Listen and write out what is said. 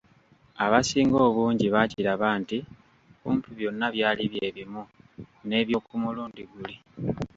Abasinga obungi baakiraba nti kumpi byonna byali bye bimu n’eby'oku mulundi guli.